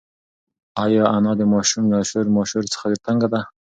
ایا انا د ماشوم له شور ماشور څخه تنگه ده؟